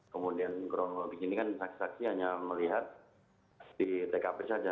kemudian kurang lebih begini kan saksi saksi hanya melihat di tkp saja